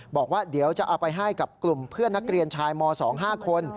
บอกว่าเดี๋ยวจะเอาไปให้กับกลุ่มเพื่อนนักเรียนชายม๒๕คน